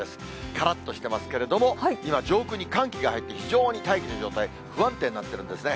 からっとしてますけれども、今、上空に寒気が入って非常に大気の状態、不安定になってるんですね。